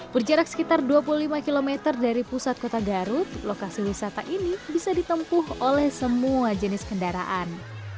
berjarak sekitar dua puluh lima km dari pusat kota garut lokasi wisata ini bisa ditempuh oleh semua jenis kendaraan